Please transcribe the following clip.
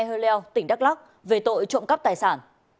hơi leo tỉnh đắk lắc về tội trộm cắp tài sản